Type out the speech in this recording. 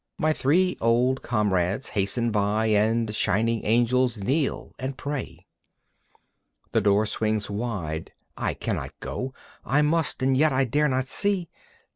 My three old comrades hasten by And shining angels kneel and pray. The door swings wide I cannot go I must and yet I dare not see.